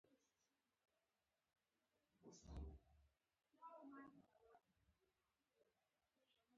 نو بس ګران صاحب به ژوندی وي-